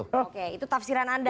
oke itu tafsiran anda